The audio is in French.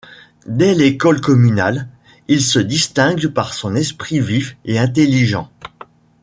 Dès l'école communale, il se distingue par son esprit vif et intelligent.